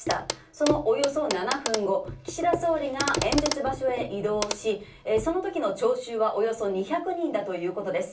そのおよそ７分後、岸田総理が演説場所へ移動し、そのときの聴衆はおよそ２００人だということです。